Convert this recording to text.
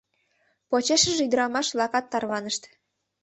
Почешыже ӱдрамаш-влакат тарванышт.